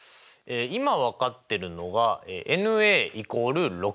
今分かってるのがｎ＝６。